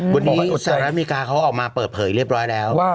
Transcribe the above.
วันนี้สหรัฐอเมริกาเขาออกมาเปิดเผยเรียบร้อยแล้ว